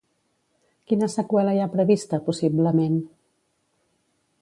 Quina seqüela hi ha prevista, possiblement?